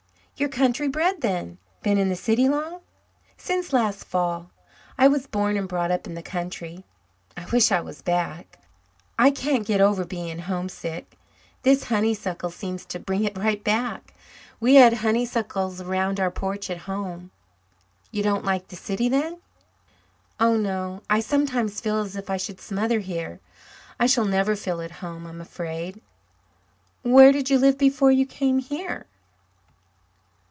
"You're country bred, then? Been in the city long?" "Since last fall. I was born and brought up in the country. I wish I was back. I can't get over being homesick. This honeysuckle seems to bring it right back. We had honeysuckles around our porch at home." "You don't like the city, then?" "Oh, no. I sometimes feel as if I should smother here. I shall never feel at home, I am afraid." "Where did you live before you came here?"